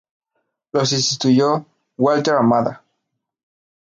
Lo sustituyó Walter Hamada.